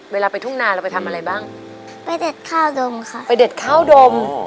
เวลาไปทุ่งนาเราไปทำอะไรบ้างไปเด็ดข้าวดมค่ะไปเด็ดข้าวดม